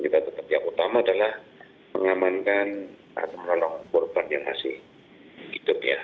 kita tetap yang utama adalah mengamankan atau menolong korban yang masih hidup ya